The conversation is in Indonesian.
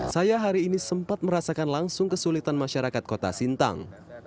saya hari ini sempat merasakan langsung kesulitan masyarakat kota sintang